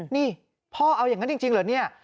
นี่พ่อเอาอย่างนั้นจริงเหรอเนี่ย